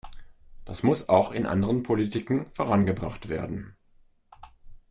Das muss auch in anderen Politiken vorangebracht werden.